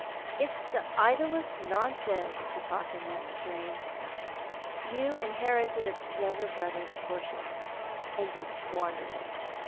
It's the idlest nonsense to talk in tliat strain. You inherited a younger brother's portion— and you squandered it.